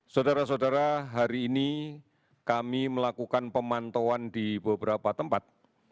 saudara saudara hari ini kami melakukan pemantauan di beberapa tempat